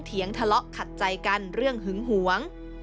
เถียงทะเลาะขัดใจกันเรื่องหึ้งห่วง